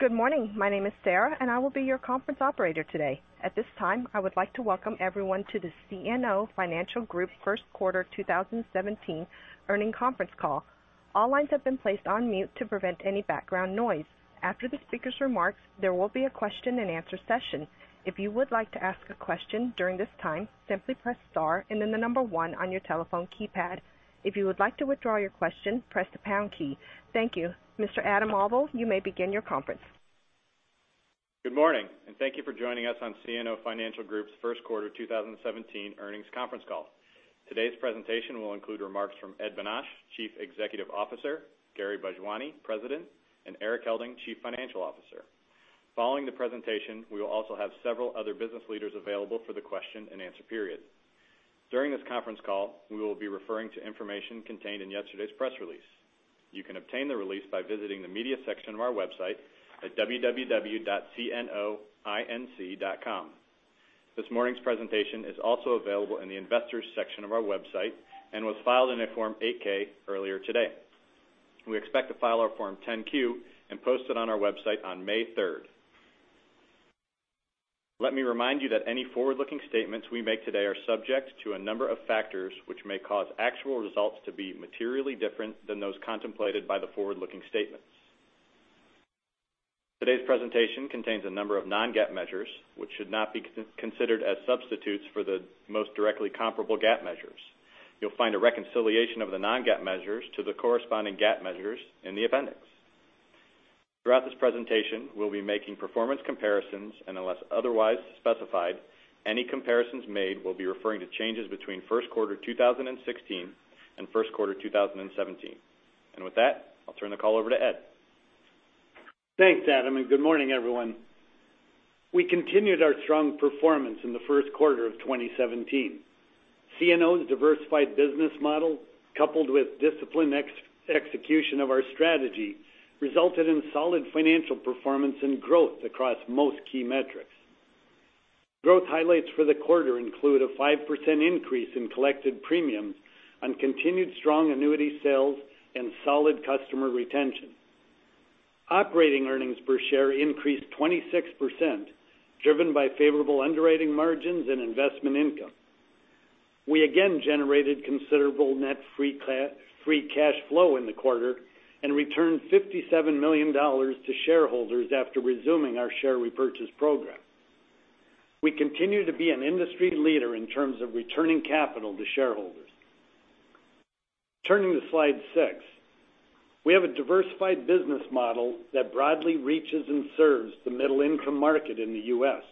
Good morning. My name is Sarah, and I will be your conference operator today. At this time, I would like to welcome everyone to the CNO Financial Group First Quarter 2017 Earnings Conference Call. All lines have been placed on mute to prevent any background noise. After the speakers' remarks, there will be a question and answer session. If you would like to ask a question during this time, simply press star and then the number one on your telephone keypad. If you would like to withdraw your question, press the pound key. Thank you. Mr. Adam Auvil, you may begin your conference. Good morning. Thank you for joining us on CNO Financial Group's First Quarter 2017 Earnings Conference Call. Today's presentation will include remarks from Ed Bonach, Chief Executive Officer, Gary Bhojwani, President, and Erik Helding, Chief Financial Officer. Following the presentation, we will also have several other business leaders available for the question and answer period. During this conference call, we will be referring to information contained in yesterday's press release. You can obtain the release by visiting the media section of our website at www.cnoinc.com. This morning's presentation is also available in the Investors section of our website and was filed in a Form 8-K earlier today. We expect to file our Form 10-Q and post it on our website on May 3rd. Let me remind you that any forward-looking statements we make today are subject to a number of factors which may cause actual results to be materially different than those contemplated by the forward-looking statements. Today's presentation contains a number of non-GAAP measures, which should not be considered as substitutes for the most directly comparable GAAP measures. You'll find a reconciliation of the non-GAAP measures to the corresponding GAAP measures in the appendix. Throughout this presentation, we'll be making performance comparisons, unless otherwise specified, any comparisons made will be referring to changes between first quarter 2016 and first quarter 2017. With that, I'll turn the call over to Ed. Thanks, Adam. Good morning, everyone. We continued our strong performance in the first quarter of 2017. CNO's diversified business model, coupled with disciplined execution of our strategy, resulted in solid financial performance and growth across most key metrics. Growth highlights for the quarter include a 5% increase in collected premiums on continued strong annuity sales and solid customer retention. Operating earnings per share increased 26%, driven by favorable underwriting margins and investment income. We again generated considerable net free cash flow in the quarter and returned $57 million to shareholders after resuming our share repurchase program. We continue to be an industry leader in terms of returning capital to shareholders. Turning to slide six. We have a diversified business model that broadly reaches and serves the middle-income market in the U.S.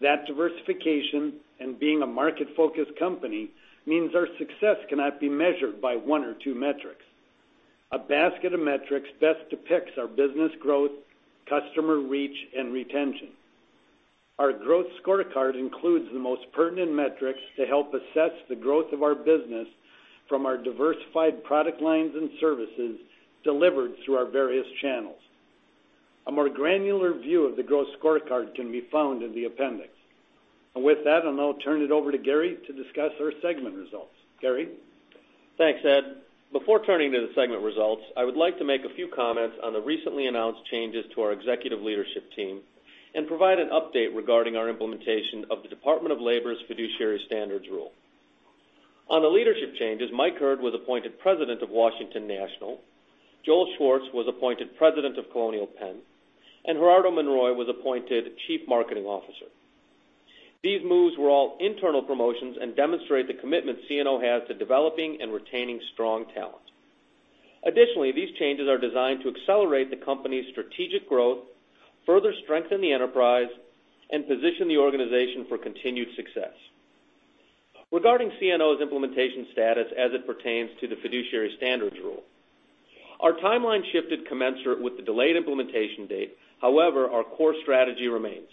That diversification and being a market-focused company means our success cannot be measured by one or two metrics. A basket of metrics best depicts our business growth, customer reach, and retention. Our growth scorecard includes the most pertinent metrics to help assess the growth of our business from our diversified product lines and services delivered through our various channels. A more granular view of the growth scorecard can be found in the appendix. With that, I'll now turn it over to Gary to discuss our segment results. Gary? Thanks, Ed. Before turning to the segment results, I would like to make a few comments on the recently announced changes to our executive leadership team and provide an update regarding our implementation of the U.S. Department of Labor's Fiduciary Rule. On the leadership changes, Mike Heard was appointed president of Washington National, Joel Schwartz was appointed president of Colonial Penn, and Gerardo Monroy was appointed chief marketing officer. These moves were all internal promotions and demonstrate the commitment CNO has to developing and retaining strong talent. Additionally, these changes are designed to accelerate the company's strategic growth, further strengthen the enterprise, and position the organization for continued success. Regarding CNO's implementation status as it pertains to the Fiduciary Rule, our timeline shifted commensurate with the delayed implementation date. However, our core strategy remains,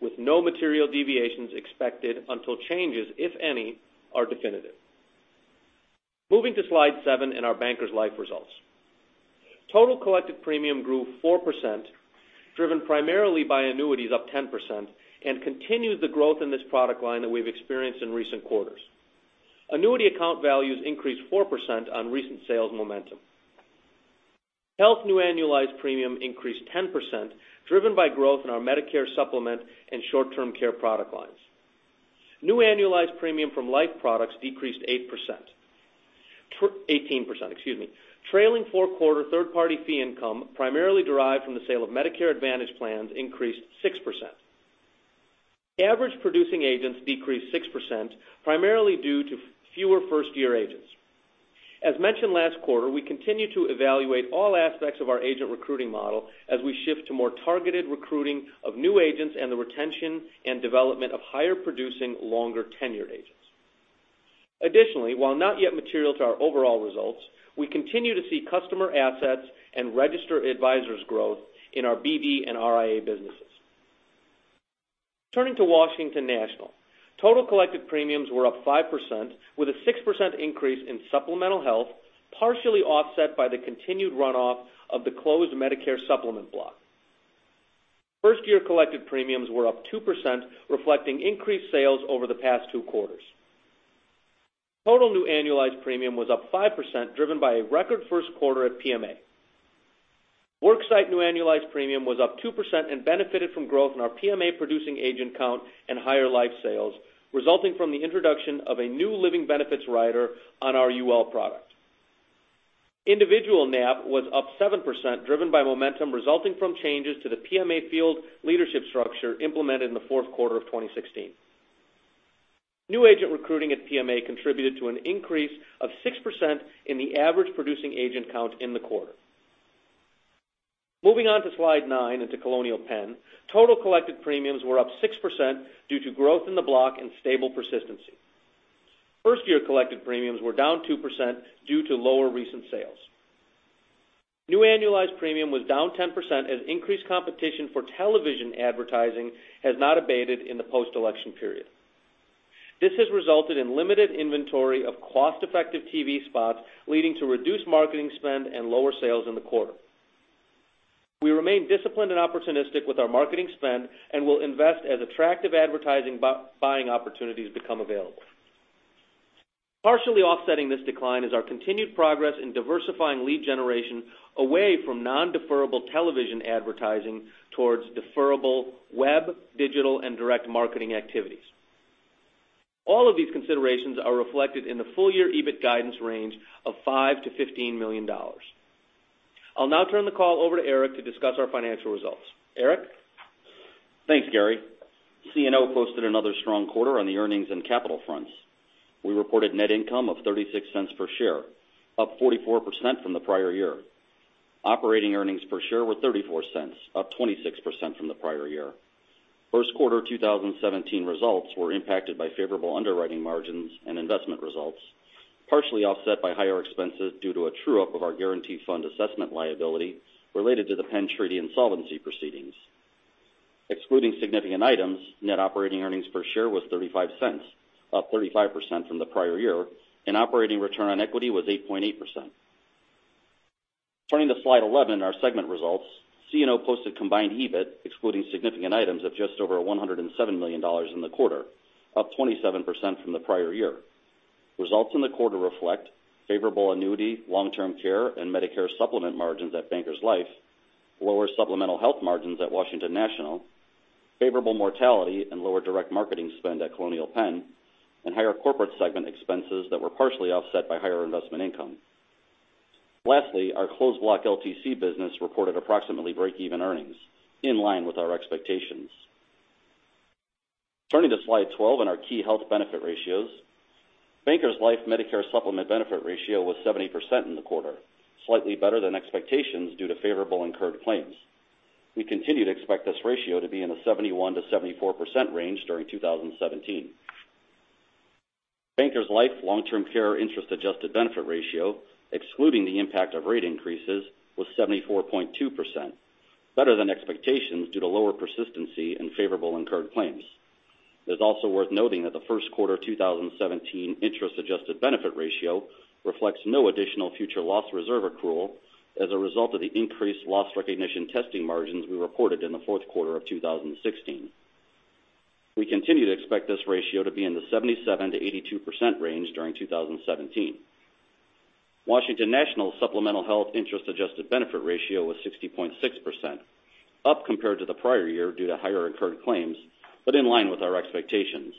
with no material deviations expected until changes, if any, are definitive. Moving to slide seven and our Bankers Life results. Total collected premium grew 4%, driven primarily by annuities up 10%, and continued the growth in this product line that we've experienced in recent quarters. Annuity account values increased 4% on recent sales momentum. Health new annualized premium increased 10%, driven by growth in our Medicare Supplement and Short-Term Care product lines. New annualized premium from life products decreased 18%. Trailing four quarter third-party fee income, primarily derived from the sale of Medicare Advantage plans, increased 6%. Average producing agents decreased 6%, primarily due to fewer first-year agents. As mentioned last quarter, we continue to evaluate all aspects of our agent recruiting model as we shift to more targeted recruiting of new agents and the retention and development of higher-producing, longer-tenured agents. Additionally, while not yet material to our overall results, we continue to see customer assets and registered advisors growth in our BD and RIA businesses. Turning to Washington National. Total collected premiums were up 5%, with a 6% increase in supplemental health, partially offset by the continued runoff of the closed Medicare Supplement block. First-year collected premiums were up 2%, reflecting increased sales over the past two quarters. Total new annualized premium was up 5%, driven by a record first quarter at PMA. Worksite new annualized premium was up 2% and benefited from growth in our PMA producing agent count and higher life sales, resulting from the introduction of a new living benefits rider on our UL product. Individual NAP was up 7%, driven by momentum resulting from changes to the PMA field leadership structure implemented in the fourth quarter of 2016. New agent recruiting at PMA contributed to an increase of 6% in the average producing agent count in the quarter. Moving on to slide nine into Colonial Penn. Total collected premiums were up 6% due to growth in the block and stable persistency. First-year collected premiums were down 2% due to lower recent sales. New annualized premium was down 10% as increased competition for television advertising has not abated in the post-election period. This has resulted in limited inventory of cost-effective TV spots, leading to reduced marketing spend and lower sales in the quarter. We remain disciplined and opportunistic with our marketing spend and will invest as attractive advertising buying opportunities become available. Partially offsetting this decline is our continued progress in diversifying lead generation away from non-deferrable television advertising towards deferrable web, digital, and direct marketing activities. All of these considerations are reflected in the full-year EBIT guidance range of $5 million to $15 million. I'll now turn the call over to Erik to discuss our financial results. Erik? Thanks, Gary. CNO posted another strong quarter on the earnings and capital fronts. We reported net income of $0.36 per share, up 44% from the prior year. Operating earnings per share were $0.34, up 26% from the prior year. First quarter 2017 results were impacted by favorable underwriting margins and investment results, partially offset by higher expenses due to a true-up of our guarantee fund assessment liability related to the Penn Treaty insolvency proceedings. Excluding significant items, net operating earnings per share was $0.35, up 35% from the prior year, and operating return on equity was 8.8%. Turning to slide 11, our segment results, CNO posted combined EBIT, excluding significant items, of just over $107 million in the quarter, up 27% from the prior year. Results in the quarter reflect favorable annuity, long-term care, and Medicare Supplement margins at Bankers Life, lower supplemental health margins at Washington National, favorable mortality, and lower direct marketing spend at Colonial Penn, and higher corporate segment expenses that were partially offset by higher investment income. Lastly, our closed block LTC business reported approximately breakeven earnings, in line with our expectations. Turning to slide 12 on our key health benefit ratios. Bankers Life Medicare Supplement benefit ratio was 70% in the quarter, slightly better than expectations due to favorable incurred claims. We continue to expect this ratio to be in the 71%-74% range during 2017. Bankers Life long-term care interest adjusted benefit ratio, excluding the impact of rate increases, was 74.2%, better than expectations due to lower persistency and favorable incurred claims. It is also worth noting that the first quarter 2017 interest-adjusted benefit ratio reflects no additional future loss reserve accrual as a result of the increased loss recognition testing margins we reported in the fourth quarter of 2016. We continue to expect this ratio to be in the 77%-82% range during 2017. Washington National supplemental health interest adjusted benefit ratio was 60.6%, up compared to the prior year due to higher incurred claims, but in line with our expectations.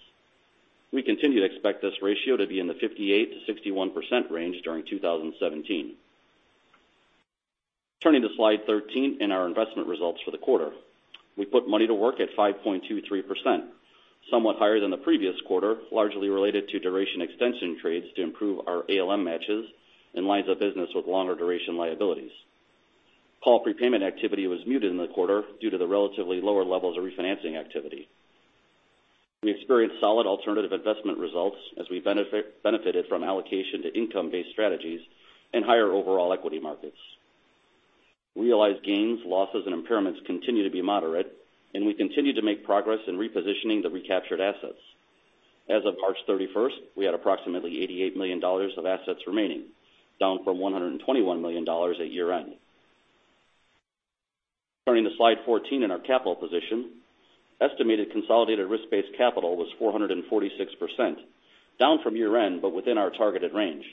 We continue to expect this ratio to be in the 58%-61% range during 2017. Turning to slide 13 and our investment results for the quarter. We put money to work at 5.23%, somewhat higher than the previous quarter, largely related to duration extension trades to improve our ALM matches in lines of business with longer duration liabilities. Call prepayment activity was muted in the quarter due to the relatively lower levels of refinancing activity. We experienced solid alternative investment results as we benefited from allocation to income-based strategies and higher overall equity markets. Realized gains, losses, and impairments continue to be moderate, and we continue to make progress in repositioning the recaptured assets. As of March 31st, we had approximately $88 million of assets remaining, down from $121 million at year-end. Turning to slide 14 on our capital position. Estimated consolidated risk-based capital was 446%, down from year-end, but within our targeted range.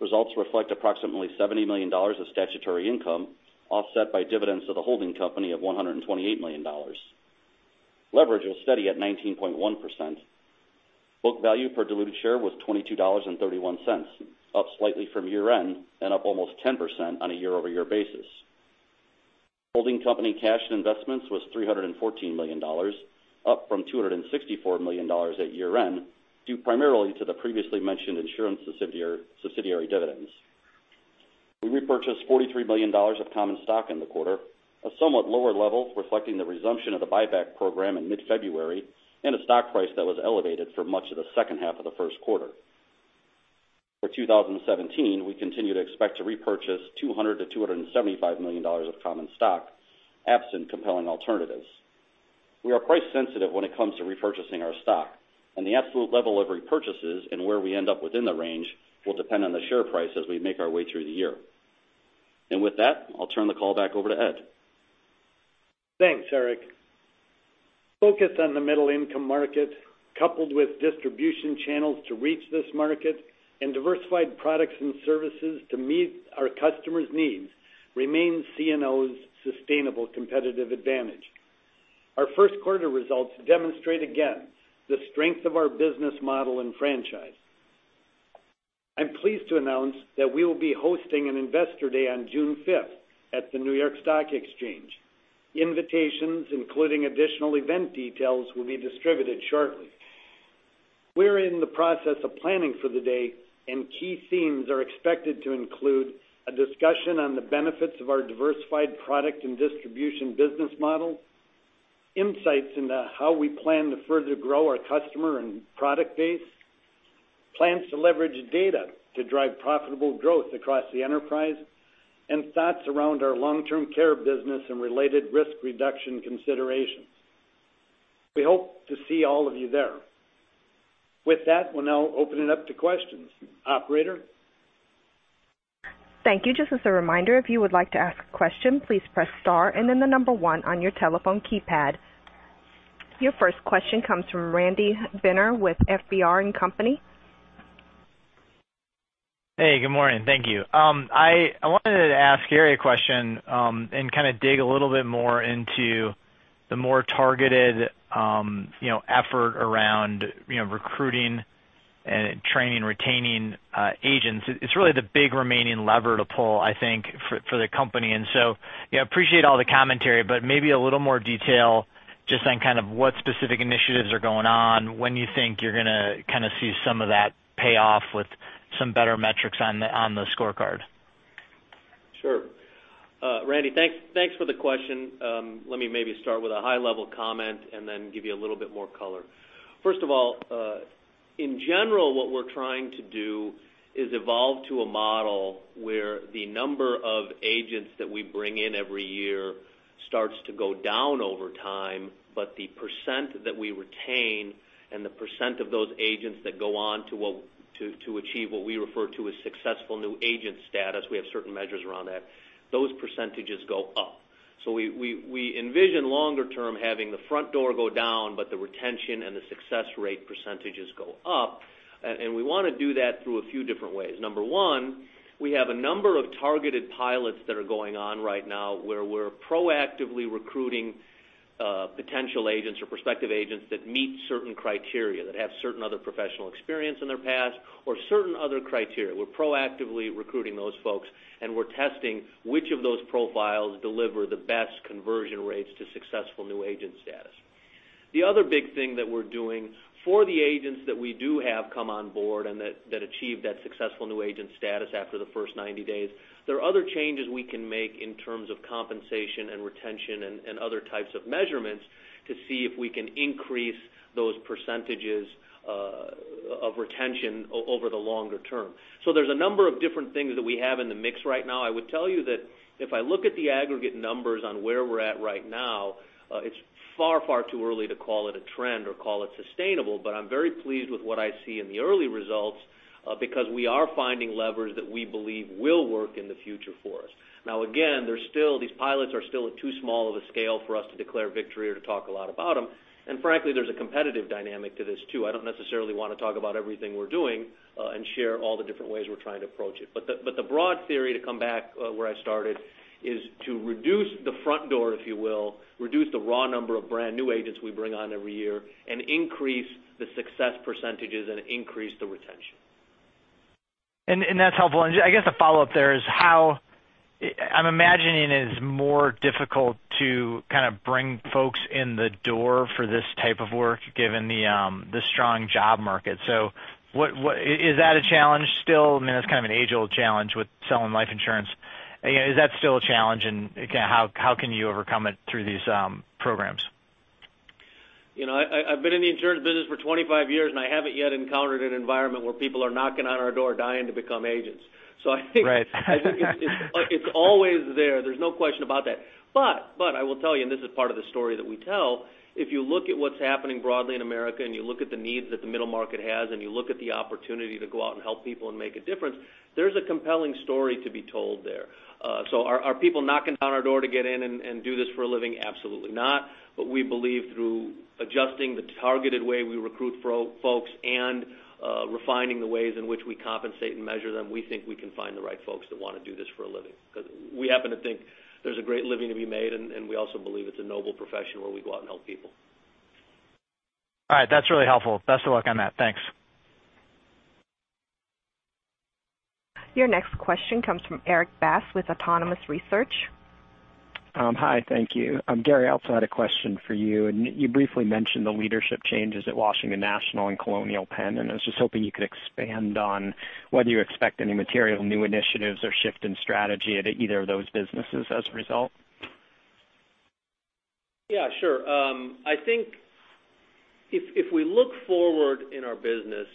Results reflect approximately $70 million of statutory income, offset by dividends to the holding company of $128 million. Leverage was steady at 19.1%. Book value per diluted share was $22.31, up slightly from year-end and up almost 10% on a year-over-year basis. Holding company cash and investments was $314 million, up from $264 million at year-end, due primarily to the previously mentioned insurance subsidiary dividends. We repurchased $43 million of common stock in the quarter, a somewhat lower level reflecting the resumption of the buyback program in mid-February and a stock price that was elevated for much of the second half of the first quarter. For 2017, we continue to expect to repurchase $200 million-$275 million of common stock absent compelling alternatives. We are price sensitive when it comes to repurchasing our stock, and the absolute level of repurchases and where we end up within the range will depend on the share price as we make our way through the year. With that, I'll turn the call back over to Ed. Thanks, Erik. Focus on the middle income market, coupled with distribution channels to reach this market and diversified products and services to meet our customers' needs remains CNO's sustainable competitive advantage. Our first quarter results demonstrate again the strength of our business model and franchise. I'm pleased to announce that we will be hosting an investor day on June 5th at the New York Stock Exchange. Invitations, including additional event details, will be distributed shortly. Key themes are expected to include a discussion on the benefits of our diversified product and distribution business model, insights into how we plan to further grow our customer and product base, plans to leverage data to drive profitable growth across the enterprise, and thoughts around our Long-Term Care business and related risk reduction considerations. We hope to see all of you there. With that, we'll now open it up to questions. Operator? Thank you. Just as a reminder, if you would like to ask a question, please press star and then the number one on your telephone keypad. Your first question comes from Randy Binner with FBR & Co.. Hey, good morning. Thank you. I wanted to ask Gary a question, and kind of dig a little bit more into the more targeted effort around recruiting and training, retaining agents. It's really the big remaining lever to pull, I think, for the company. I appreciate all the commentary, but maybe a little more detail just on kind of what specific initiatives are going on, when you think you're going to kind of see some of that pay off with some better metrics on the scorecard. Sure. Randy, thanks for the question. Let me maybe start with a high level comment and then give you a little bit more color. First of all, in general, what we're trying to do is evolve to a model where the number of agents that we bring in every year starts to go down over time, but the percent that we retain and the percent of those agents that go on to achieve what we refer to as successful new agent status, we have certain measures around that, those percentages go up. We envision longer term having the front door go down, but the retention and the success rate percentages go up. We want to do that through a few different ways. Number one, we have a number of targeted pilots that are going on right now where we're proactively recruiting potential agents or prospective agents that meet certain criteria, that have certain other professional experience in their past or certain other criteria. We're proactively recruiting those folks. We're testing which of those profiles deliver the best conversion rates to successful new agent status. The other big thing that we're doing for the agents that we do have come on board and that achieve that successful new agent status after the first 90 days, there are other changes we can make in terms of compensation and retention and other types of measurements to see if we can increase those percentages of retention over the longer term. There's a number of different things that we have in the mix right now. I would tell you that if I look at the aggregate numbers on where we're at right now, it's far, far too early to call it a trend or call it sustainable. I'm very pleased with what I see in the early results, because we are finding levers that we believe will work in the future for us. Now, again, these pilots are still too small of a scale for us to declare victory or to talk a lot about them. Frankly, there's a competitive dynamic to this, too. I don't necessarily want to talk about everything we're doing and share all the different ways we're trying to approach it. The broad theory, to come back where I started, is to reduce the front door, if you will, reduce the raw number of brand new agents we bring on every year, and increase the success percentages and increase the retention. That's helpful. I guess a follow-up there is I'm imagining it is more difficult to kind of bring folks in the door for this type of work, given the strong job market. Is that a challenge still? I mean, that's kind of an age-old challenge with selling life insurance. Is that still a challenge, and how can you overcome it through these programs? I've been in the insurance business for 25 years, I haven't yet encountered an environment where people are knocking on our door dying to become agents. Right. I think it's always there. There's no question about that. I will tell you, this is part of the story that we tell, if you look at what's happening broadly in America, you look at the needs that the middle market has, you look at the opportunity to go out and help people and make a difference, there's a compelling story to be told there. Are people knocking on our door to get in and do this for a living? Absolutely not. We believe through adjusting the targeted way we recruit folks and refining the ways in which we compensate and measure them, we think we can find the right folks that want to do this for a living. We happen to think there's a great living to be made, we also believe it's a noble profession where we go out and help people. All right. That's really helpful. Best of luck on that. Thanks. Your next question comes from Erik Bass with Autonomous Research. Hi. Thank you. Gary, I also had a question for you. I was just hoping you could expand on whether you expect any material new initiatives or shift in strategy at either of those businesses as a result. Yeah, sure. I think if we look forward in our business,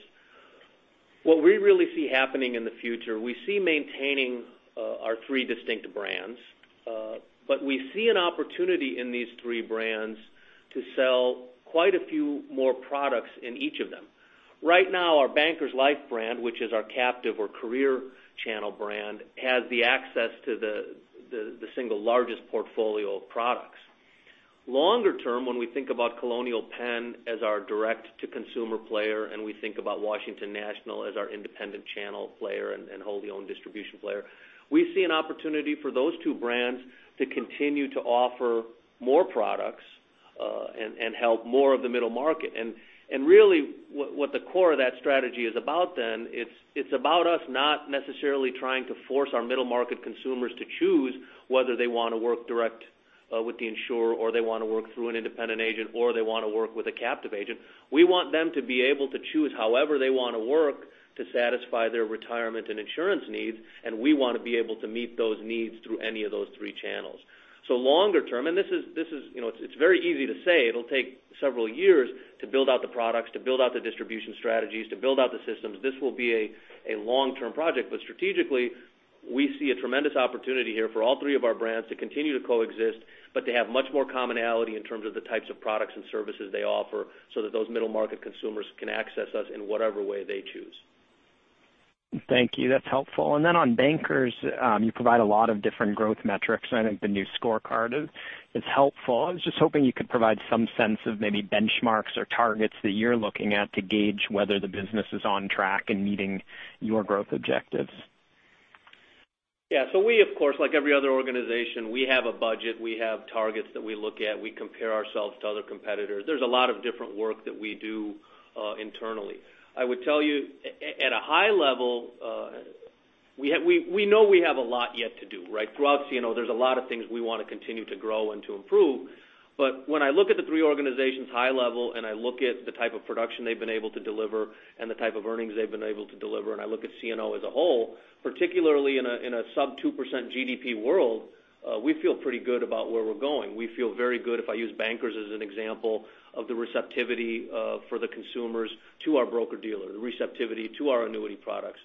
what we really see happening in the future, we see maintaining our three distinct brands. We see an opportunity in these three brands to sell quite a few more products in each of them. Right now, our Bankers Life brand, which is our captive or career channel brand, has the access to the single largest portfolio of products. Longer term, when we think about Colonial Penn as our direct-to-consumer player, and we think about Washington National as our independent channel player and wholly-owned distribution player, we see an opportunity for those two brands to continue to offer more products and help more of the middle market. Really, what the core of that strategy is about then, it's about us not necessarily trying to force our middle-market consumers to choose whether they want to work direct with the insurer, or they want to work through an independent agent, or they want to work with a captive agent. We want them to be able to choose however they want to work to satisfy their retirement and insurance needs, we want to be able to meet those needs through any of those three channels. Longer term, it's very easy to say it'll take several years to build out the products, to build out the distribution strategies, to build out the systems. This will be a long-term project, strategically, we see a tremendous opportunity here for all three of our brands to continue to coexist, to have much more commonality in terms of the types of products and services they offer, so that those middle-market consumers can access us in whatever way they choose. Thank you. That's helpful. Then on Bankers, you provide a lot of different growth metrics, I think the new scorecard is helpful. I was just hoping you could provide some sense of maybe benchmarks or targets that you're looking at to gauge whether the business is on track in meeting your growth objectives. Yeah. We, of course, like every other organization, we have a budget. We have targets that we look at. We compare ourselves to other competitors. There's a lot of different work that we do internally. I would tell you, at a high level, we know we have a lot yet to do, right? Throughout CNO, there's a lot of things we want to continue to grow and to improve. When I look at the three organizations high level, I look at the type of production they've been able to deliver and the type of earnings they've been able to deliver, I look at CNO as a whole, particularly in a sub 2% GDP world, we feel pretty good about where we're going. We feel very good, if I use Bankers as an example, of the receptivity for the consumers to our broker-dealer, the receptivity to our annuity products.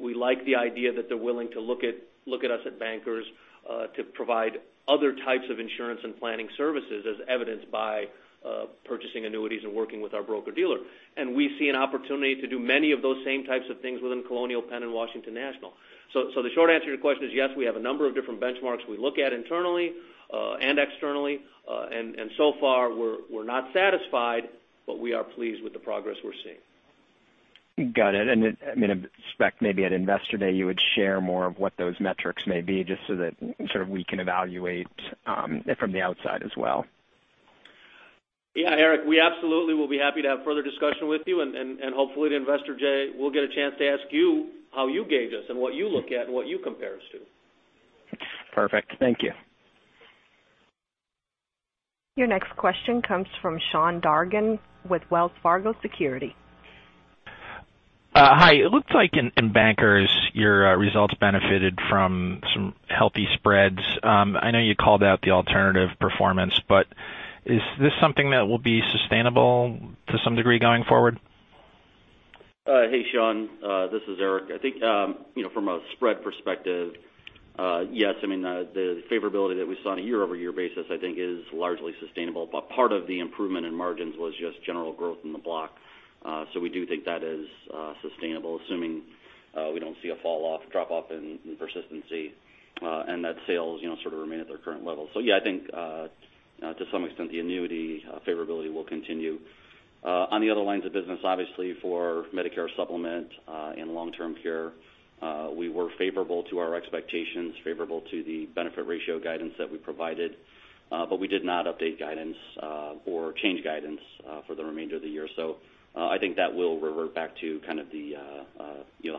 We like the idea that they're willing to look at us at Bankers to provide other types of insurance and planning services, as evidenced by purchasing annuities and working with our broker-dealer. We see an opportunity to do many of those same types of things within Colonial Penn and Washington National. The short answer to your question is, yes, we have a number of different benchmarks we look at internally and externally. So far we're not satisfied, we are pleased with the progress we're seeing. Got it. I expect maybe at Investor Day, you would share more of what those metrics may be, just so that sort of we can evaluate from the outside as well. Yeah, Erik, we absolutely will be happy to have further discussion with you, and hopefully at Investor Day we'll get a chance to ask you how you gauge us and what you look at and what you compare us to. Perfect. Thank you. Your next question comes from Sean Dargan with Wells Fargo Securities. Hi. It looks like in Bankers, your results benefited from some healthy spreads. I know you called out the alternative performance, is this something that will be sustainable to some degree going forward? Hey, Sean, this is Erik. I think from a spread perspective, yes. The favorability that we saw on a year-over-year basis, I think is largely sustainable. Part of the improvement in margins was just general growth in the block. We do think that is sustainable, assuming we don't see a drop-off in persistency, and that sales sort of remain at their current level. Yeah, I think to some extent, the annuity favorability will continue. On the other lines of business, obviously for Medicare Supplement and Long-Term Care, we were favorable to our expectations, favorable to the benefit ratio guidance that we provided, we did not update guidance or change guidance for the remainder of the year. I think that will revert back to kind of the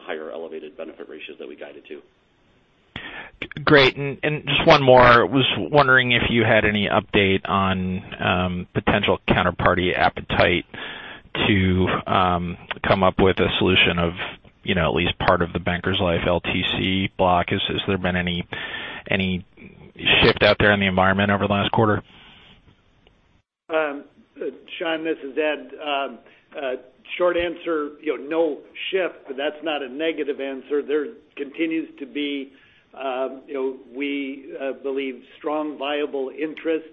higher elevated benefit ratios that we guided to. Great. Just one more. I was wondering if you had any update on potential counterparty appetite to come up with a solution of at least part of the Bankers Life LTC block. Has there been any shift out there in the environment over the last quarter? Sean, this is Ed. Short answer, no shift. That's not a negative answer. There continues to be we believe strong viable interest.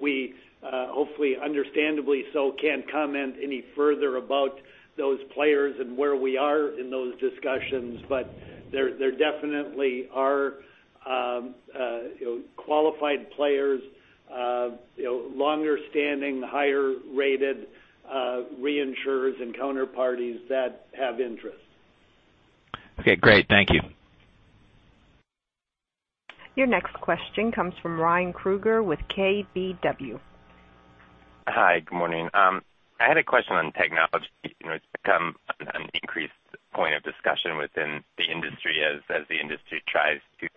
We hopefully, understandably so, can't comment any further about those players and where we are in those discussions. There definitely are qualified players, longer-standing, higher-rated reinsurers, and counterparties that have interest. Okay, great. Thank you. Your next question comes from Ryan Krueger with KBW. Hi. Good morning. I had a question on technology. It's become an increased point of discussion within the industry as the industry tries to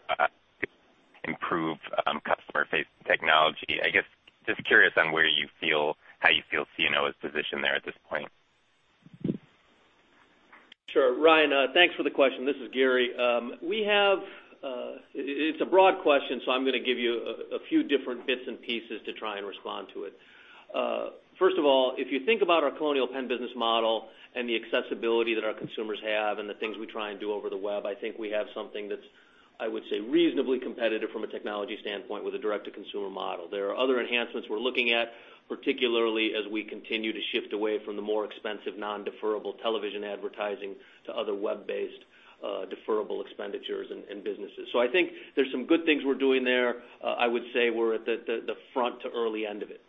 improve customer-facing technology. I guess, just curious on how you feel CNO is positioned there at this point. Sure. Ryan, thanks for the question. This is Gary. It's a broad question, I'm going to give you a few different bits and pieces to try and respond to it. First of all, if you think about our Colonial Penn business model and the accessibility that our consumers have and the things we try and do over the web, I think we have something that's, I would say, reasonably competitive from a technology standpoint with a direct-to-consumer model. There are other enhancements we're looking at, particularly as we continue to shift away from the more expensive non-deferrable television advertising to other web-based deferrable expenditures and businesses. I think there's some good things we're doing there. I would say we're at the front to early end of it.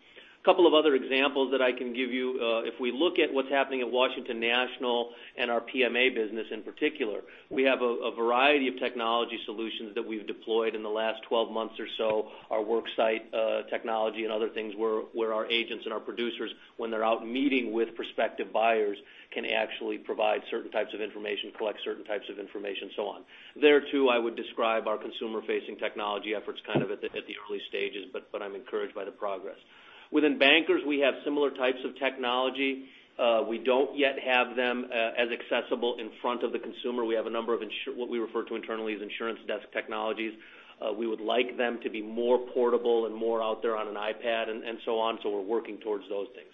A couple of other examples that I can give you. If we look at what's happening at Washington National and our PMA business in particular, we have a variety of technology solutions that we've deployed in the last 12 months or so. Our work site technology and other things where our agents and our producers, when they're out meeting with prospective buyers, can actually provide certain types of information, collect certain types of information, and so on. There, too, I would describe our consumer-facing technology efforts kind of at the early stages, but I'm encouraged by the progress. Within Bankers, we have similar types of technology. We don't yet have them as accessible in front of the consumer. We have a number of what we refer to internally as insurance desk technologies. We would like them to be more portable and more out there on an iPad and so on. We're working towards those things.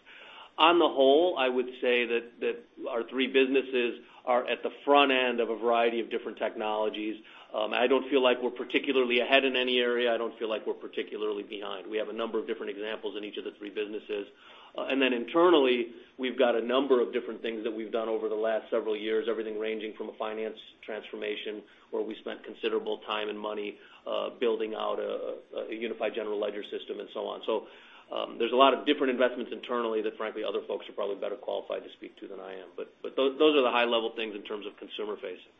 On the whole, I would say that our three businesses are at the front end of a variety of different technologies. I don't feel like we're particularly ahead in any area. I don't feel like we're particularly behind. We have a number of different examples in each of the three businesses. Internally, we've got a number of different things that we've done over the last several years, everything ranging from a finance transformation, where we spent considerable time and money building out a unified general ledger system and so on. There's a lot of different investments internally that, frankly, other folks are probably better qualified to speak to than I am. Those are the high-level things in terms of consumer facing.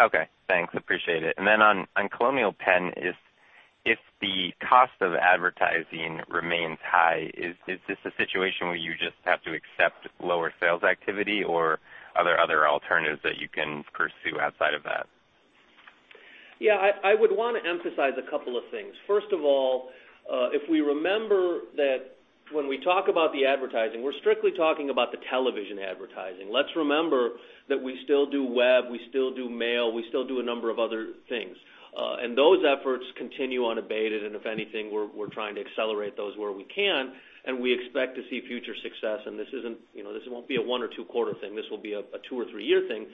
Okay, thanks. Appreciate it. On Colonial Penn, if the cost of advertising remains high, is this a situation where you just have to accept lower sales activity, or are there other alternatives that you can pursue outside of that? Yeah, I would want to emphasize a couple of things. First of all, if we remember that when we talk about the advertising, we're strictly talking about the television advertising. Let's remember that we still do web, we still do mail, we still do a number of other things. Those efforts continue unabated, and if anything, we're trying to accelerate those where we can, and we expect to see future success. This won't be a one or two quarter thing. This will be a two or three year thing.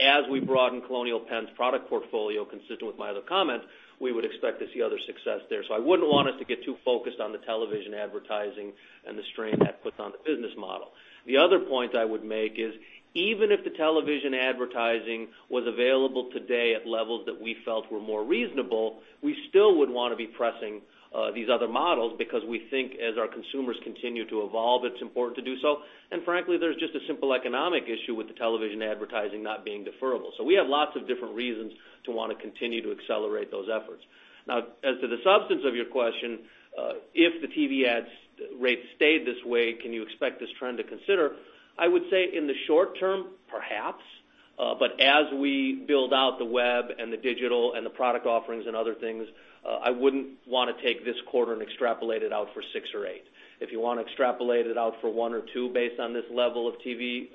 As we broaden Colonial Penn's product portfolio, consistent with my other comments, we would expect to see other success there. I wouldn't want us to get too focused on the television advertising and the strain that puts on the business model. The other point I would make is even if the television advertising was available today at levels that we felt were more reasonable, we still would want to be pressing these other models because we think as our consumers continue to evolve, it's important to do so. Frankly, there's just a simple economic issue with the television advertising not being deferrable. We have lots of different reasons to want to continue to accelerate those efforts. As to the substance of your question, if the TV ads rate stayed this way, can you expect this trend to consider? I would say in the short term, perhaps. As we build out the web and the digital and the product offerings and other things, I wouldn't want to take this quarter and extrapolate it out for six or eight. If you want to extrapolate it out for one or two based on this level of TV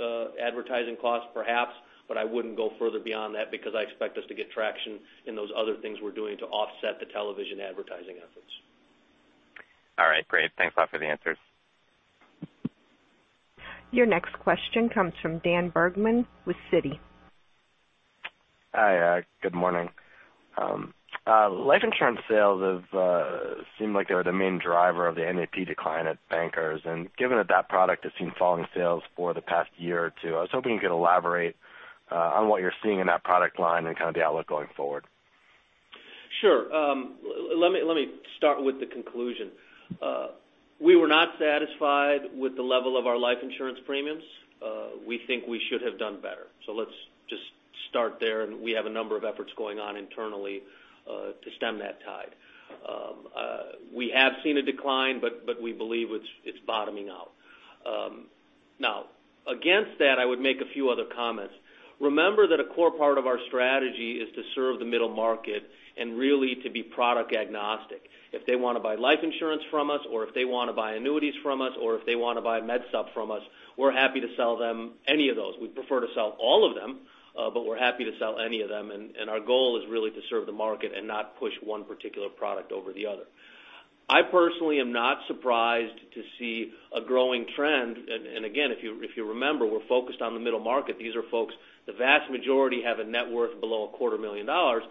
advertising cost, perhaps, I wouldn't go further beyond that because I expect us to get traction in those other things we're doing to offset the television advertising efforts. All right, great. Thanks a lot for the answers. Your next question comes from Daniel Bergman with Citi. Hi, good morning. Life insurance sales have seemed like they were the main driver of the NAP decline at Bankers. Given that that product has seen falling sales for the past year or two, I was hoping you could elaborate on what you're seeing in that product line and kind of the outlook going forward. Sure. Let me start with the conclusion. We were not satisfied with the level of our life insurance premiums. We think we should have done better. Let's just start there, and we have a number of efforts going on internally to stem that tide. We have seen a decline, but we believe it's bottoming out. Against that, I would make a few other comments. Remember that a core part of our strategy is to serve the middle market and really to be product agnostic. If they want to buy life insurance from us or if they want to buy annuities from us or if they want to buy medsup from us, we're happy to sell them any of those. We'd prefer to sell all of them, but we're happy to sell any of them, and our goal is really to serve the market and not push one particular product over the other. I personally am not surprised to see a growing trend. Again, if you remember, we're focused on the middle market. These are folks, the vast majority have a net worth below a quarter million dollars.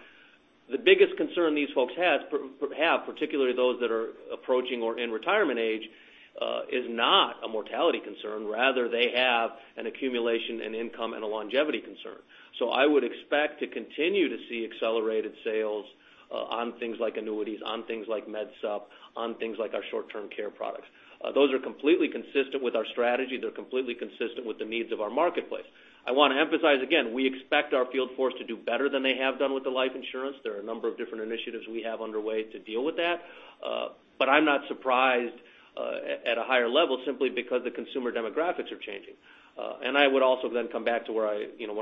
The biggest concern these folks have, particularly those that are approaching or in retirement age, is not a mortality concern. Rather, they have an accumulation in income and a longevity concern. I would expect to continue to see accelerated sales on things like annuities, on things like medsup, on things like our Short-Term Care products. Those are completely consistent with our strategy. They're completely consistent with the needs of our marketplace. I want to emphasize again, we expect our field force to do better than they have done with the life insurance. There are a number of different initiatives we have underway to deal with that. I'm not surprised at a higher level simply because the consumer demographics are changing. I would also then come back to one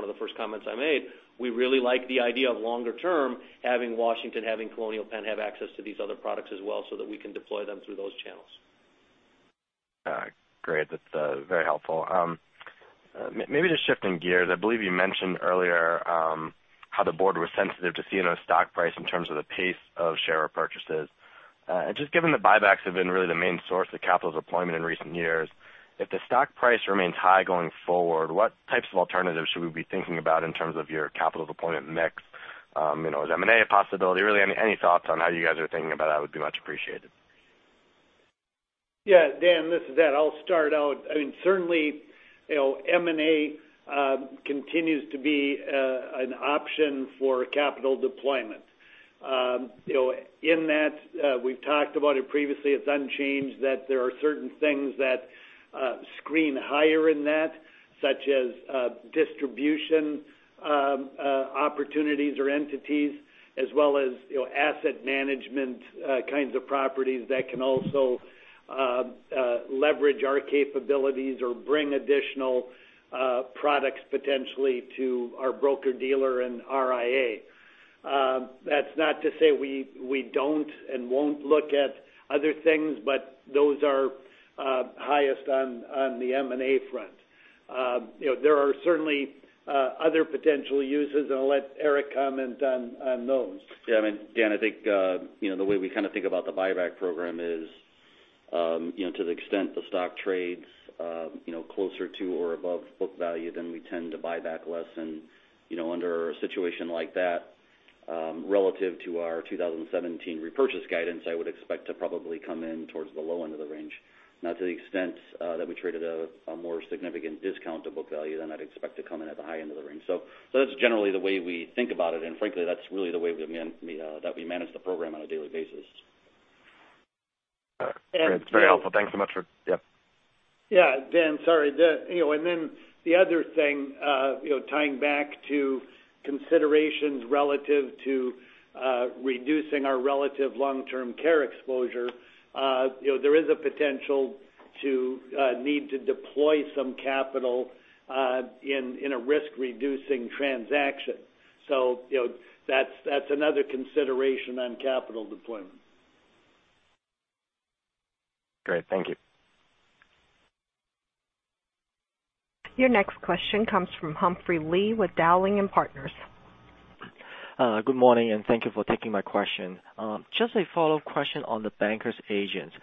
of the first comments I made. We really like the idea of longer term having Washington, having Colonial Penn have access to these other products as well so that we can deploy them through those channels. All right, great. That's very helpful. Maybe just shifting gears, I believe you mentioned earlier how the board was sensitive to CNO's stock price in terms of the pace of share purchases. Just given the buybacks have been really the main source of capital deployment in recent years, if the stock price remains high going forward, what types of alternatives should we be thinking about in terms of your capital deployment mix? Is M&A a possibility? Really, any thoughts on how you guys are thinking about that would be much appreciated. Yeah. Dan, this is Ed. I'll start out. Certainly, M&A continues to be an option for capital deployment. In that, we've talked about it previously, it's unchanged that there are certain things that screen higher in that, such as distribution opportunities or entities as well as asset management kinds of properties that can also leverage our capabilities or bring additional products potentially to our broker-dealer and RIA. That's not to say we don't and won't look at other things, but those are highest on the M&A front. There are certainly other potential uses, I'll let Erik comment on those. Yeah. Dan, I think, the way we think about the buyback program is, to the extent the stock trades closer to or above book value, then we tend to buy back less. Under a situation like that, relative to our 2017 repurchase guidance, I would expect to probably come in towards the low end of the range. Not to the extent that we traded a more significant discount to book value than I'd expect to come in at the high end of the range. That's generally the way we think about it, and frankly, that's really the way that we manage the program on a daily basis. All right. That's very helpful. Thanks so much. Yeah. Yeah. Dan, sorry. The other thing, tying back to considerations relative to reducing our relative long-term care exposure, there is a potential to need to deploy some capital in a risk-reducing transaction. That's another consideration on capital deployment. Great. Thank you. Your next question comes from Humphrey Lee with Dowling & Partners. Good morning, and thank you for taking my question. Just a follow-up question on the Bankers agents.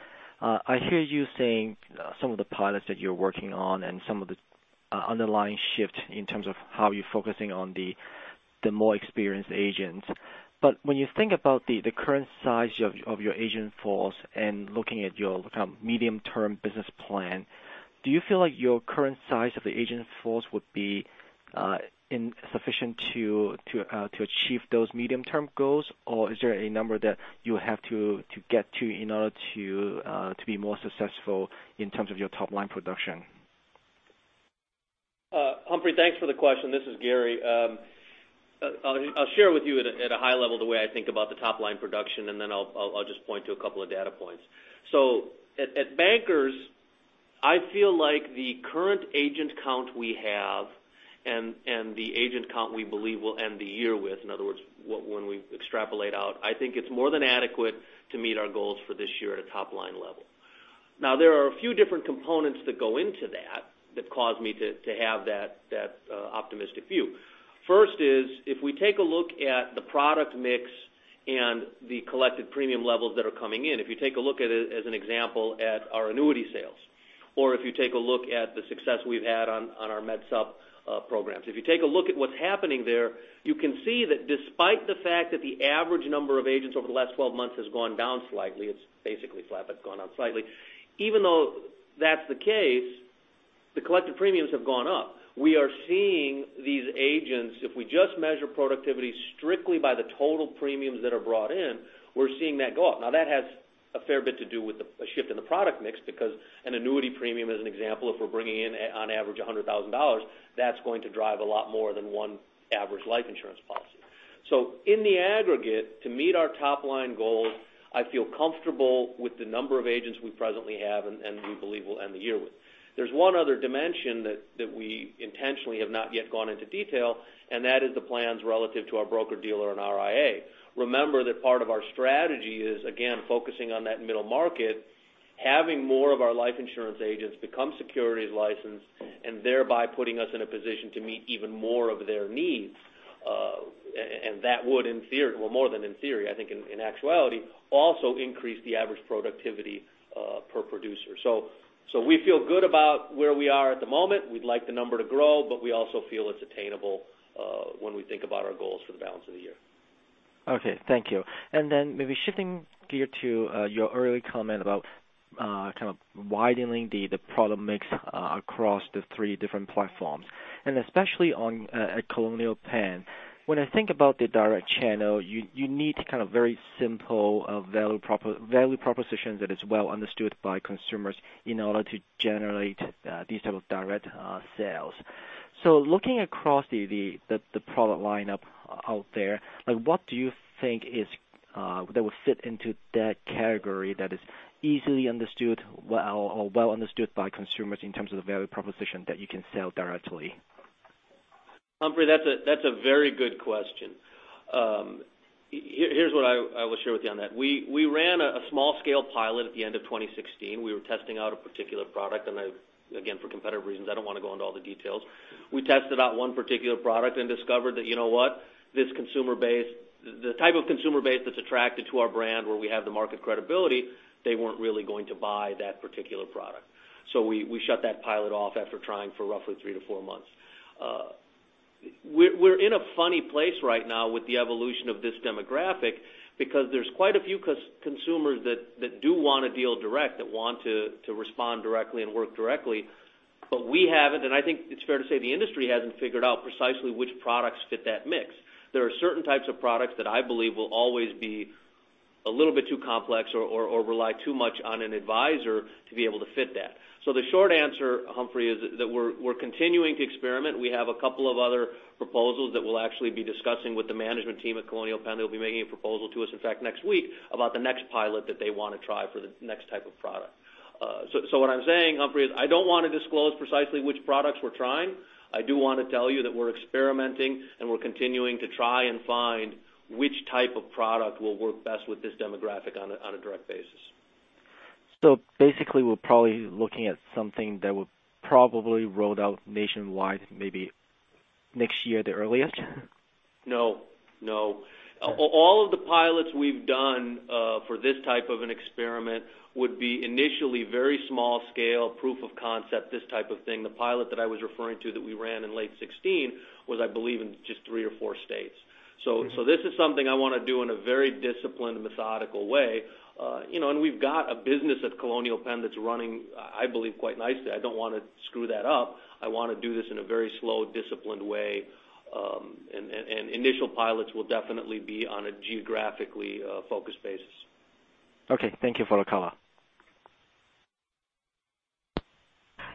I hear you saying some of the pilots that you're working on and some of the underlying shift in terms of how you're focusing on the more experienced agents. When you think about the current size of your agent force and looking at your medium-term business plan, do you feel like your current size of the agent force would be insufficient to achieve those medium-term goals? Is there a number that you have to get to in order to be more successful in terms of your top-line production? Humphrey, thanks for the question. This is Gary. I'll share with you at a high level the way I think about the top-line production, then I'll just point to a couple of data points. At Bankers Life, I feel like the current agent count we have and the agent count we believe we'll end the year with, in other words, when we extrapolate out, I think it's more than adequate to meet our goals for this year at a top-line level. There are a few different components that go into that cause me to have that optimistic view. First is, if we take a look at the product mix and the collected premium levels that are coming in. If you take a look at it as an example at our annuity sales, or if you take a look at the success we've had on our medsup programs. If you take a look at what's happening there, you can see that despite the fact that the average number of agents over the last 12 months has gone down slightly, it's basically flat, but it's gone down slightly. Even though that's the case, the collected premiums have gone up. We are seeing these agents, if we just measure productivity strictly by the total premiums that are brought in, we're seeing that go up. That has a fair bit to do with a shift in the product mix, because an annuity premium, as an example, if we're bringing in on average $100,000, that's going to drive a lot more than one average life insurance policy. In the aggregate, to meet our top-line goals, I feel comfortable with the number of agents we presently have and we believe we'll end the year with. There's one other dimension that we intentionally have not yet gone into detail, and that is the plans relative to our broker-dealer and RIA. Remember that part of our strategy is, again, focusing on that middle market, having more of our life insurance agents become securities licensed, and thereby putting us in a position to meet even more of their needs. That would in theory, well, more than in theory, I think in actuality, also increase the average productivity per producer. We feel good about where we are at the moment. We'd like the number to grow, we also feel it's attainable when we think about our goals for the balance of the year. Okay, thank you. Then maybe shifting gear to your earlier comment about kind of widening the product mix across the three different platforms, and especially at Colonial Penn. When I think about the direct channel, you need kind of very simple value propositions that is well understood by consumers in order to generate these type of direct sales. Looking across the product lineup out there, what do you think that would fit into that category that is easily understood or well understood by consumers in terms of the value proposition that you can sell directly? Humphrey, that's a very good question. Here's what I will share with you on that. We ran a small-scale pilot at the end of 2016. We were testing out a particular product, and again, for competitive reasons, I don't want to go into all the details. We tested out one particular product and discovered that, you know what? The type of consumer base that's attracted to our brand, where we have the market credibility, they weren't really going to buy that particular product. We shut that pilot off after trying for roughly three to four months. We're in a funny place right now with the evolution of this demographic because there's quite a few consumers that do want to deal direct, that want to respond directly and work directly. We haven't, and I think it's fair to say the industry hasn't figured out precisely which products fit that mix. There are certain types of products that I believe will always be a little bit too complex or rely too much on an advisor to be able to fit that. The short answer, Humphrey, is that we're continuing to experiment. We have a couple of other proposals that we'll actually be discussing with the management team at Colonial Penn, who'll be making a proposal to us, in fact, next week about the next pilot that they want to try for the next type of product. What I'm saying, Humphrey, is I don't want to disclose precisely which products we're trying. I do want to tell you that we're experimenting, and we're continuing to try and find which type of product will work best with this demographic on a direct basis. Basically, we're probably looking at something that will probably roll out nationwide maybe next year the earliest? No. All of the pilots we've done for this type of an experiment would be initially very small scale, proof of concept, this type of thing. The pilot that I was referring to that we ran in late 2016 was, I believe, in just three or four states. This is something I want to do in a very disciplined, methodical way. We've got a business at Colonial Penn that's running, I believe, quite nicely. I don't want to screw that up. I want to do this in a very slow, disciplined way, and initial pilots will definitely be on a geographically focused basis. Okay. Thank you for the call.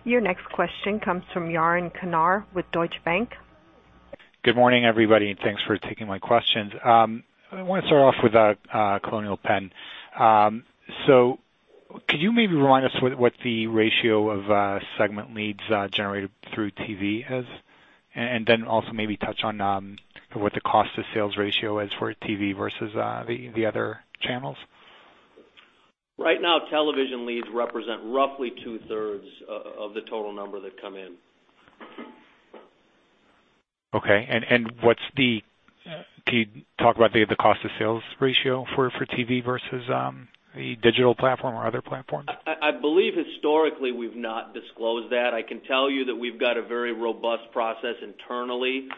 Your next question comes from Yaron Kinar with Deutsche Bank. Good morning, everybody, and thanks for taking my questions. I want to start off with Colonial Penn. Could you maybe remind us what the ratio of segment leads generated through TV is? Also maybe touch on what the cost of sales ratio is for TV versus the other channels. Right now, television leads represent roughly two-thirds of the total number that come in. Okay. Can you talk about the cost of sales ratio for TV versus the digital platform or other platforms? I believe historically we've not disclosed that. I can tell you that we've got a very robust process internally,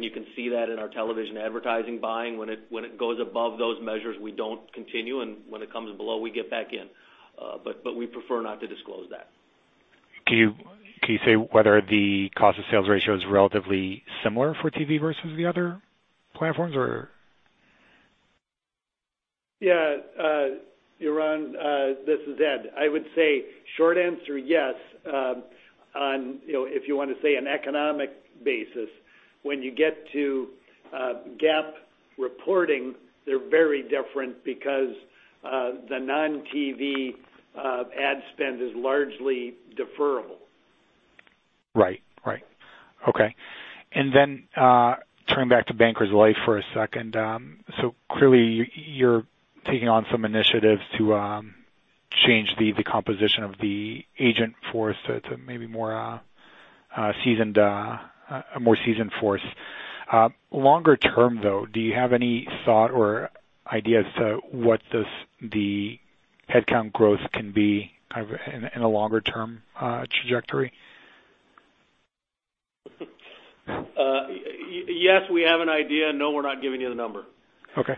you can see that in our television advertising buying. When it goes above those measures, we don't continue, and when it comes below, we get back in. We prefer not to disclose that. Can you say whether the cost of sales ratio is relatively similar for TV versus the other platforms or? Yeah. Yaron, this is Ed. I would say short answer, yes, on, if you want to say, an economic basis. When you get to GAAP reporting, they're very different because the non-TV ad spend is largely deferrable. Right. Okay. Turning back to Bankers Life for a second. Clearly you're taking on some initiatives to change the composition of the agent force to maybe a more seasoned force. Longer term, though, do you have any thought or idea as to what the headcount growth can be in a longer-term trajectory? Yes, we have an idea. No, we're not giving you the number. Okay.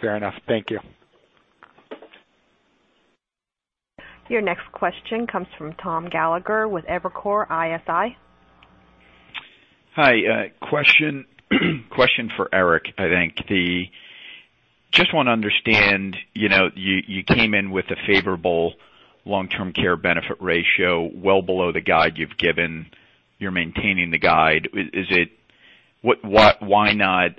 Fair enough. Thank you. Your next question comes from Thomas Gallagher with Evercore ISI. Hi. Question for Erik, I think. Just want to understand, you came in with a favorable long-term care benefit ratio, well below the guide you've given. You're maintaining the guide. Why not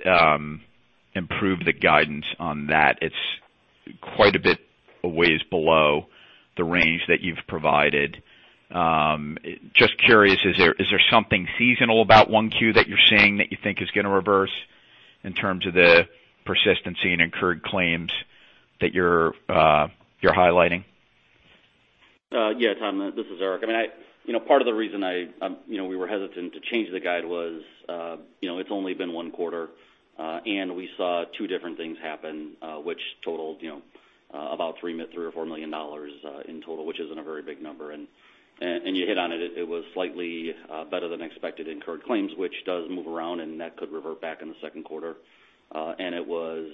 improve the guidance on that? It's quite a bit a ways below the range that you've provided. Just curious, is there something seasonal about 1Q that you're seeing that you think is going to reverse in terms of the persistency and incurred claims that you're highlighting? Yeah, Tom, this is Erik. Part of the reason we were hesitant to change the guide was it's only been one quarter, we saw two different things happen, which totaled about $3 million or $4 million in total, which isn't a very big number. You hit on it. It was slightly better than expected incurred claims, which does move around, and that could revert back in the second quarter. It was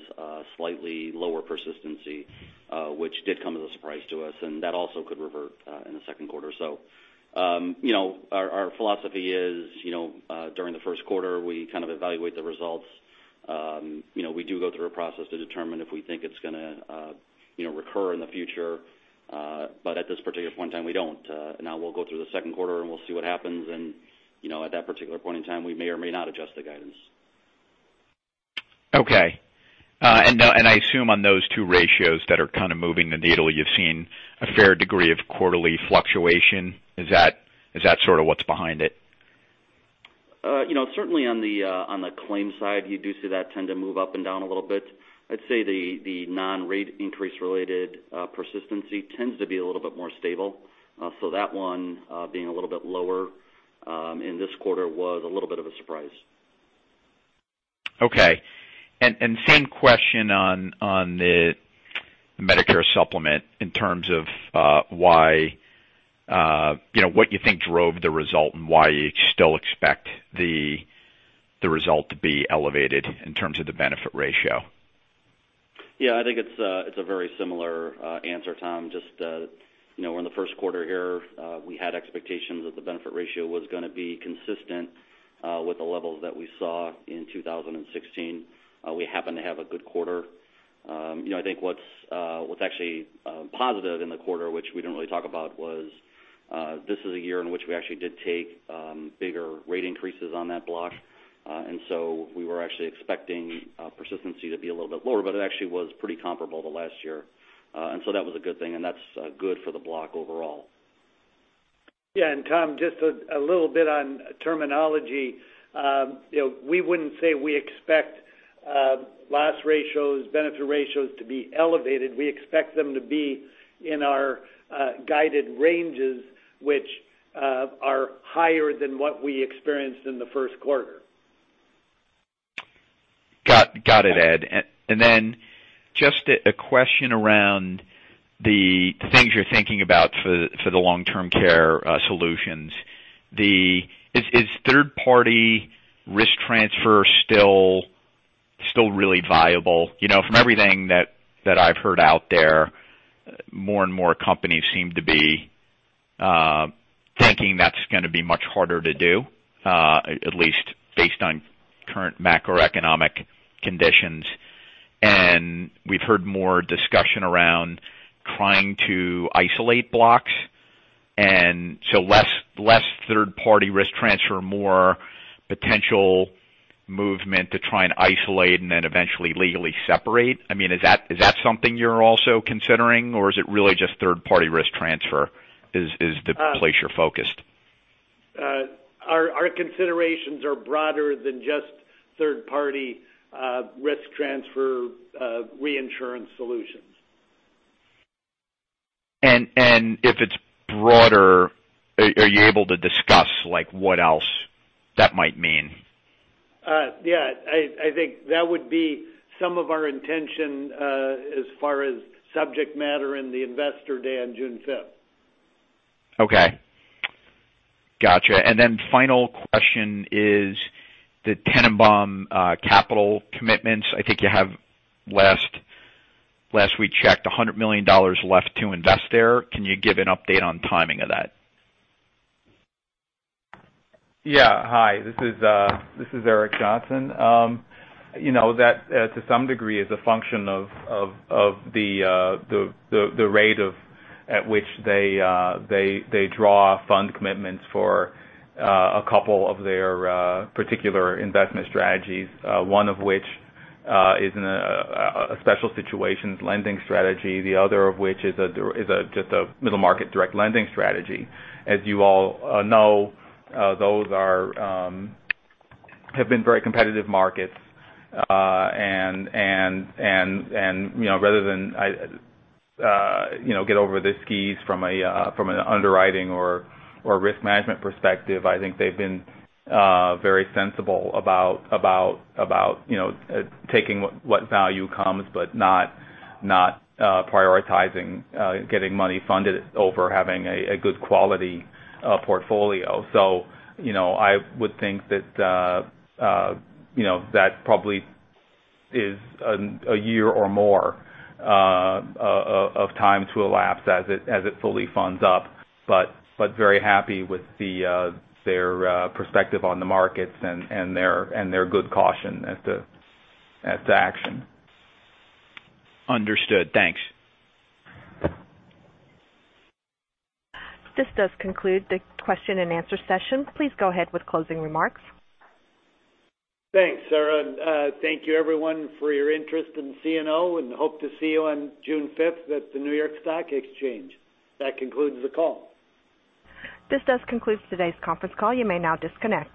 slightly lower persistency, which did come as a surprise to us, and that also could revert in the second quarter. Our philosophy is, during the first quarter, we kind of evaluate the results. We do go through a process to determine if we think it's going to recur in the future. But at this particular point in time, we don't. We'll go through the second quarter, we'll see what happens, at that particular point in time, we may or may not adjust the guidance. Okay. I assume on those two ratios that are kind of moving the needle, you've seen a fair degree of quarterly fluctuation. Is that sort of what's behind it? Certainly on the claims side, you do see that tend to move up and down a little bit. I'd say the non-rate increase related persistency tends to be a little bit more stable. That one being a little bit lower in this quarter was a little bit of a surprise. Okay. Same question on the Medicare Supplement in terms of what you think drove the result and why you still expect the result to be elevated in terms of the benefit ratio. Yeah, I think it's a very similar answer, Tom. Just, we're in the first quarter here. We had expectations that the benefit ratio was going to be consistent with the levels that we saw in 2016. We happen to have a good quarter. I think what's actually positive in the quarter, which we didn't really talk about, was this is a year in which we actually did take bigger rate increases on that block. We were actually expecting persistency to be a little bit lower, but it actually was pretty comparable to last year. That was a good thing, and that's good for the block overall. Yeah. Tom, just a little bit on terminology. We wouldn't say we expect loss ratios, benefit ratios to be elevated. We expect them to be in our guided ranges, which are higher than what we experienced in the first quarter. Got it, Ed. Just a question around the things you're thinking about for the long-term care solutions. Is third-party risk transfer still really viable? From everything that I've heard out there, more and more companies seem to be thinking that's going to be much harder to do, at least based on current macroeconomic conditions. We've heard more discussion around trying to isolate blocks, less third-party risk transfer, more potential movement to try and isolate and then eventually legally separate. Is that something you're also considering, or is it really just third-party risk transfer is the place you're focused? Our considerations are broader than just third-party risk transfer reinsurance solutions. If it's broader, are you able to discuss what else that might mean? Yeah. I think that would be some of our intention as far as subject matter in the investor day on June 5th. Okay. Got you. Then final question is the Tennenbaum capital commitments. I think you have, last we checked, $100 million left to invest there. Can you give an update on timing of that? Yeah. Hi, this is Eric Johnson. That, to some degree, is a function of the rate at which they draw fund commitments for two of their particular investment strategies. One of which is a special situations lending strategy, the other of which is just a middle market direct lending strategy. As you all know, those have been very competitive markets. Rather than get over their skis from an underwriting or risk management perspective, I think they've been very sensible about taking what value comes, but not prioritizing getting money funded over having a good quality portfolio. I would think that probably is one year or more of time to elapse as it fully funds up. Very happy with their perspective on the markets and their good caution as to action. Understood. Thanks. This does conclude the question and answer session. Please go ahead with closing remarks. Thanks, Sarah. Thank you everyone for your interest in CNO and hope to see you on June 5th at the New York Stock Exchange. That concludes the call. This does conclude today's conference call. You may now disconnect.